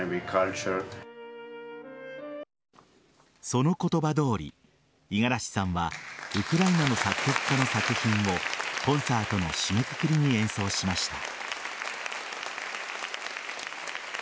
その言葉どおり五十嵐さんはウクライナの作曲家の作品をコンサートの締めくくりに演奏しました。